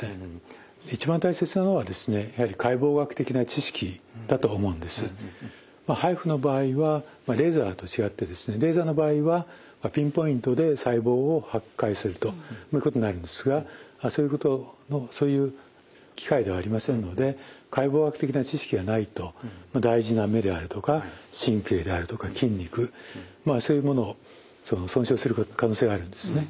一番大切なのはやはりＨＩＦＵの場合はレーザーと違ってレーザーの場合はピンポイントで細胞を破壊するということになるんですがそういう機械ではありませんので解剖学的な知識がないと大事な目であるとか神経であるとか筋肉そういうものを損傷する可能性があるんですね。